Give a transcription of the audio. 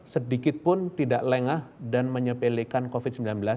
sedikitpun tidak lengah dan menyepelekan covid sembilan belas